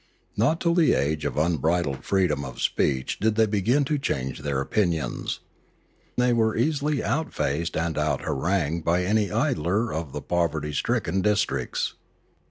Not till the age of unbridled freedom of speech did they begin to change their opinions. Then were they easily out faced and out harangued by any idler of the poverty stricken districts.